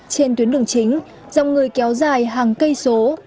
trên tuyến đường chính dòng người kéo dài hàng cây số